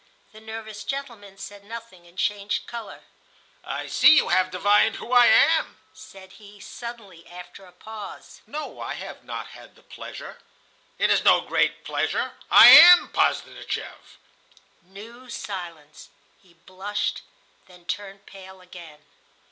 The nervous gentleman said nothing, and changed color. "I see that you have divined who I am," said he, suddenly, after a pause. "No, I have not had that pleasure." "It is no great pleasure. I am Posdnicheff." New silence. He blushed, then turned pale again.